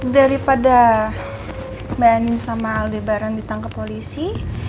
daripada bani sama aldebaran ditangkap polisi